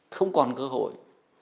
không còn cơ hội